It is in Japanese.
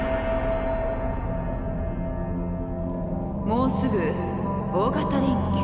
もうすぐ大型連休。